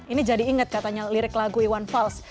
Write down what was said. ini jadi inget katanya lirik lagu iwan fals